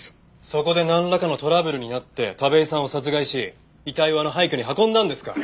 そこでなんらかのトラブルになって田部井さんを殺害し遺体をあの廃虚に運んだんですか？